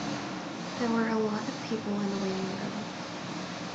There were a lot of people in the waiting room.